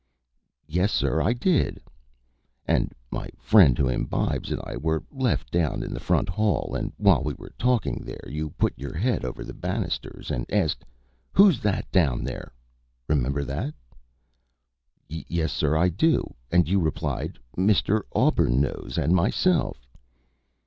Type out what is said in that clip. "Yes, sir, I did." "And my friend who imbibes and I were left down in the front hall, and while we were talking there you put your head over the banisters and asked, 'Who's that down there?' Remember that?" "Yes, sir, I do. And you replied, 'Mr. Auburnose and myself.'"